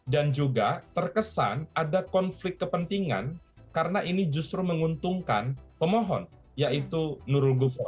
dan juga terkesan ada konflik kepentingan karena ini justru menguntungkan pemohon yaitu nurul gufron